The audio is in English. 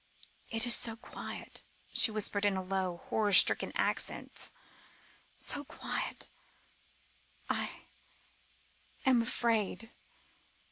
"It is so quiet," she whispered in low, horror stricken accents, "so quiet I am afraid!"